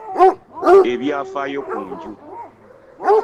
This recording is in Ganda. Ebyafaayo ku nju.